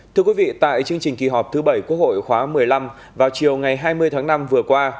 thưa quý vị tại chương trình kỳ họp thứ bảy quốc hội khóa một mươi năm vào chiều ngày hai mươi tháng năm vừa qua